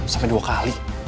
sampai dua kali